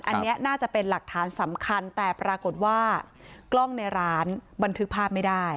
อันนี้น่าจะเป็นหลักฐานสำคัญแต่ปรากฏว่ากล้องในร้านบันทึกภาพไม่ได้